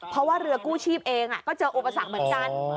เพราะว่าเรือกู้ชีพเองก็เจออุปสรรคเหมือนกัน